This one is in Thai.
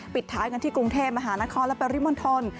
ปิดท้ายกันที่กรุงเทพมหานครและปริมณฑล